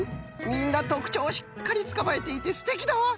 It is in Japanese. みんなとくちょうをしっかりつかまえていてすてきだわ！